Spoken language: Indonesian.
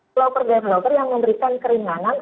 flover dan vloger yang memberikan keringanan